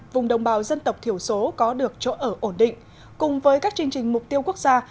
vùng đồng bào dân tộc thiểu số có được chỗ ở ổn định cùng với các chương trình mục tiêu quốc gia